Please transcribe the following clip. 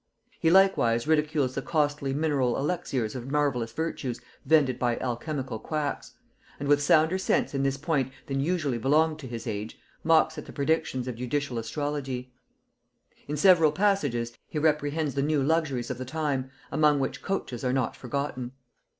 He likewise ridicules the costly mineral elixirs of marvellous virtues vended by alchemical quacks; and with sounder sense in this point than usually belonged to his age, mocks at the predictions of judicial astrology. In several passages he reprehends the new luxuries of the time, among which coaches are not forgotten.